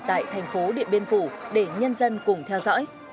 tại thành phố điện biên phủ để nhân dân cùng theo dõi